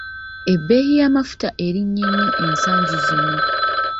Ebbeeyi y'amafuta erinnye nnyo ensangi zino.